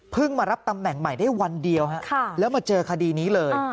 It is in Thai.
มารับตำแหน่งใหม่ได้วันเดียวแล้วมาเจอคดีนี้เลย